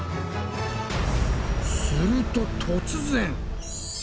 すると突然！